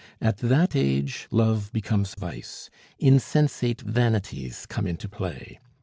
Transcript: At that age love becomes vice; insensate vanities come into play.